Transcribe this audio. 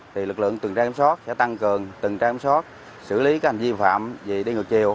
thì lực lượng từng trang kiểm soát sẽ tăng cường từng trang kiểm soát xử lý các hành vi vi phạm vì đi ngược chiều